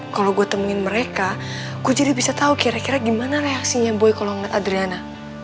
kalo gua temuin mereka gua jadi bisa tau kira kira gimana reaksinya boy kalo ngeliat adriana